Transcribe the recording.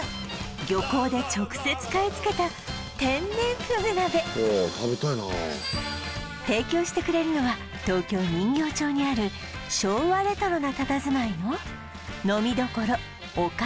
漁港で直接買い付けた天然フグ鍋提供してくれるのは東京・人形町にある昭和レトロなたたずまいの呑処おか